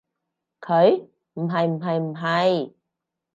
佢？唔係唔係唔係